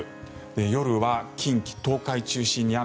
夜は近畿・東海中心に雨。